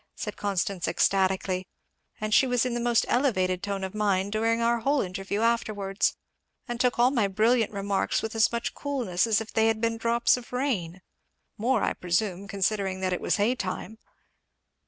said Constance ecstatically; "and she was in the most elevated tone of mind during our whole interview afterwards, and took all my brilliant remarks with as much coolness as if they had been drops of rain more, I presume, considering that it was hay time."